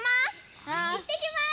いってきます！